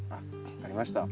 分かりました。